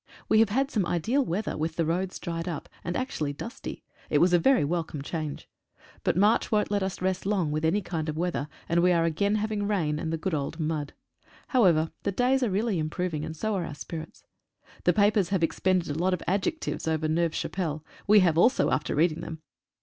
We have had some ideal wea ther, with the roads dried up, and actually dusty. It was a very welcome change. But March won't let us rest long with any kind of weather, and we are again having rain, and the good old mud. However the days are really improving, and so are our spirits. The papers have expended a lot of adjectives over Neuve Chapelle. We have also, after reading them!